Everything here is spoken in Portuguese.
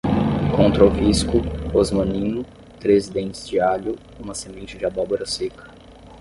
com trovisco, rosmaninho, três dentes de alho, uma semente de abóbora seca